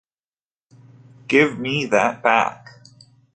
Give me that back.